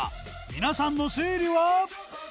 皆さんの推理は？